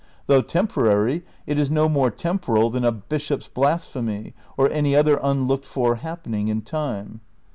Though temporary, it is no more temporal than a bishop's blasphemy or any other unlooked for happening in time.